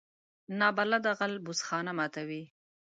نابلده غل بوس خانه ماتوي